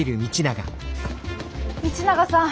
道永さん！